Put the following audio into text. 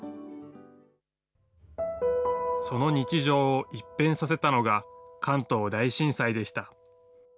その日常を一変させたのが、関東大震災でした。